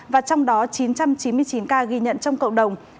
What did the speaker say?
và trong đó chín trăm chín mươi chín ca ghi nhận trong cộng đồng